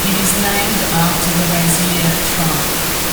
It is named after the Wazir tribe.